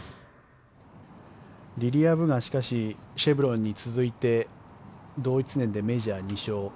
リリア・ブがしかし、シェブロンに続いて同一年でメジャー２勝。